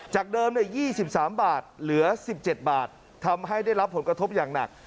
จากเดิม๒๓บาทเหลือ๑๗บาททำให้ได้รับผลกระทบอย่างหนัก